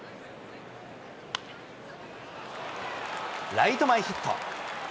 ライト前ヒット。